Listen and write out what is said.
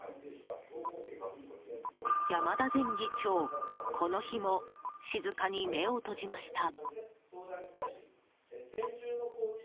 山田前議長、この日も静かに目を閉じました。